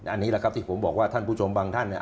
อันนี้แหละครับที่ผมบอกว่าท่านผู้ชมบางท่านเนี่ย